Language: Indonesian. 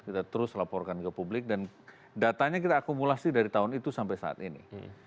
kita terus laporkan ke publik dan datanya kita akumulasi dari tahun itu sampai saat ini